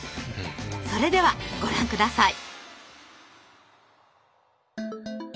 それではご覧下さい。